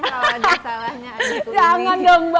kalau ada salahnya